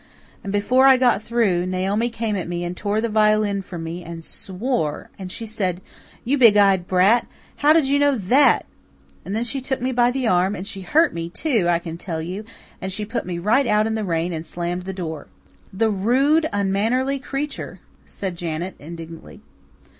And before I got through, Naomi came at me, and tore the violin from me, and SWORE. And she said, 'You big eyed brat, how did you know THAT?' Then she took me by the arm and she hurt me, too, I can tell you and she put me right out in the rain and slammed the door." "The rude, unmannerly creature!" said Janet indignantly.